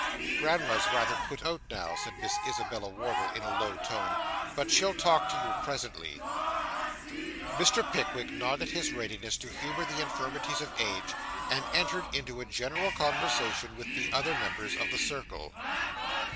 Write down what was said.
'Grandma's rather put out now,' said Miss Isabella Wardle, in a low tone; 'but she'll talk to you presently.' Mr. Pickwick nodded his readiness to humour the infirmities of age, and entered into a general conversation with the other members of the circle.